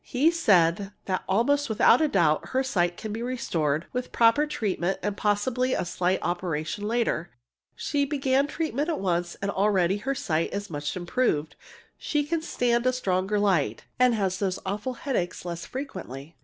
He said that almost without a doubt her sight can be restored, with proper treatment and possibly a slight operation later. She began the treatment at once, and already her sight is much improved. She can stand a stronger light, and has those awful headaches less frequently.